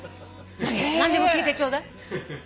何でも聞いてちょうだい。